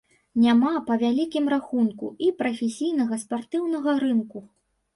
Няма, па вялікім рахунку, і прафесійнага спартыўнага рынку.